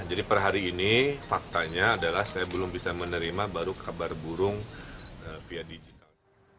jadi per hari ini faktanya adalah saya belum bisa menerima baru kabar burung via digital